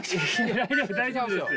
大丈夫大丈夫ですよ。